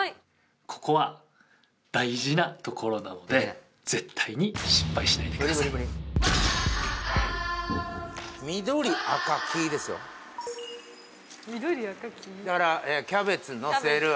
ここは大事なところなので絶対に失敗しないでください緑赤黄ですよ緑赤黄だからキャベツのせる